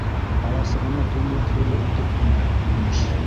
Аласығына төньяҡ еле үтеп инә, имеш.